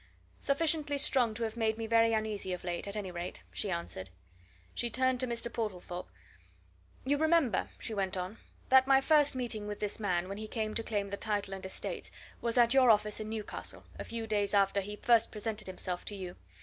"Sufficiently strong to have made me very uneasy of late, at any rate," she answered. She turned to Mr. Portlethorpe. "You remember," she went on, "that my first meeting with this man, when he came to claim the title and estates, was at your office in Newcastle, a few days after he first presented himself to you.